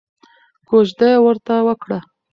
کوژده یې ورته وکړه.